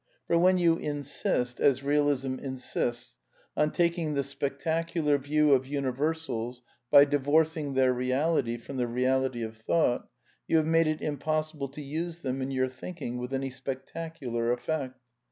For when you insist, as Eealism insists, on taking the spectacular view of universals by (divorcing their reality from the reality of thought, you have made it impossible to use them in your thinking with any spectacular effect.